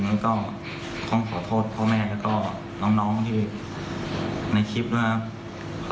แล้วก็ต้องขอโทษพ่อแม่แล้วก็น้องที่ในคลิปด้วยครับ